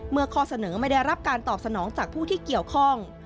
ข้อเสนอไม่ได้รับการตอบสนองจากผู้ที่เกี่ยวข้อง